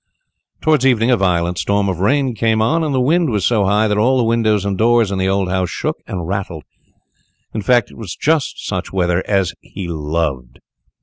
Towards evening a violent storm of rain came on, and the wind was so high that all the windows and doors in the old house shook and rattled. In fact, it was just such weather as he loved.